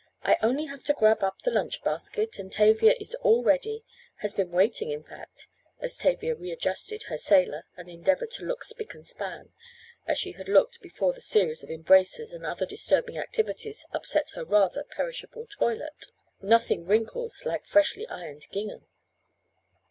I only have to grab up the lunch basket, and Tavia is all ready has been waiting in fact," as Tavia readjusted her "sailor," and endeavored to look spick and span, as she had looked before the series of embraces and other disturbing activities upset her rather perishable toilette nothing wrinkles like freshly ironed gingham.